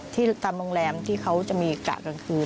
ที่ตามโรงแรมที่เขาจะมีกะกลางคืน